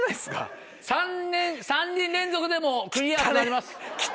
３人連続でクリアになります。